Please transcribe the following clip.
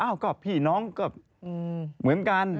ก็พี่น้องก็เหมือนกัน